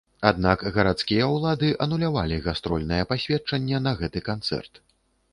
Аднак гарадскія ўлады анулявалі гастрольнае пасведчанне на гэты канцэрт.